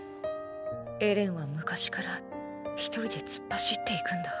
エレンは昔から一人で突っ走って行くんだ。